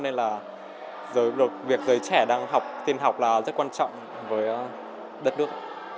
nên là việc giới trẻ đang học tin học là rất quan trọng với đất nước